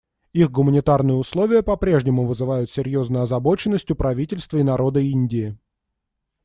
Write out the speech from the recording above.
Их гуманитарные условия по-прежнему вызывают серьезную озабоченность у правительства и народа Индии.